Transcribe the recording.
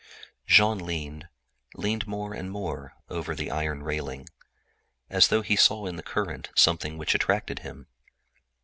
Jean leaned, leaned more and more, over the iron railing, as though he saw in the current something which attracted him.